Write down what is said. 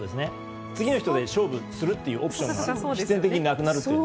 次の人で勝負するということが必然的になくなると